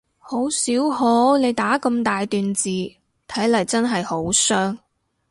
好少可你打咁大段字，睇嚟真係好傷